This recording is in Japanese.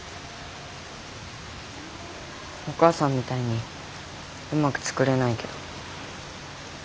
お母さんみたいにうまく作れないけど。